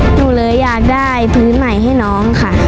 หนูเลยอยากได้พื้นใหม่ให้น้องค่ะ